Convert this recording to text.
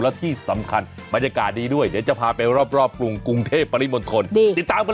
และที่สำคัญบรรยากาศดีด้วยเดี๋ยวจะพาไปรอบกรุงกุธเทพฯปริมณฐน